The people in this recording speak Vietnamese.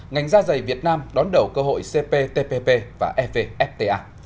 ngành gia giày việt nam đón đầu cơ hội cptpp và ffta